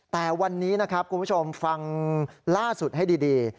แต่วันนี้นะครับคุณผู้ชมฟังล่าสุดให้ดี